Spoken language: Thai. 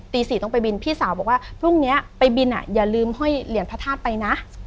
๔ต้องไปบินพี่สาวบอกว่าพรุ่งนี้ไปบินอย่าลืมห้อยเหรียญพระธาตุไปนะ